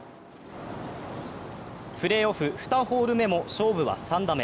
プレーオープン２ホール目も勝負は３打目。